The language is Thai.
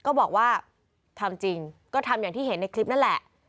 ก็บอกว่าทำจริงก็ทำอย่างที่เห็นในคลิปนั่นแหละ